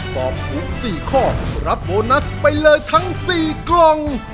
ตอบถูก๔ข้อรับโบนัสไปเลยทั้ง๔กล่อง